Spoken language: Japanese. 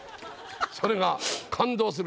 それが感動する。